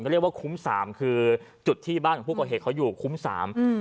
เรียกว่าคุ้มสามคือจุดที่บ้านของผู้ก่อเหตุเขาอยู่คุ้มสามอืม